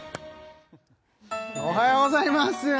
おはようございます